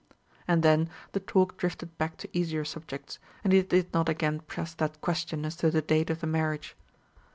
And then the talk drifted back to easier subjects, and he did not again press that question as to the date of the marriage.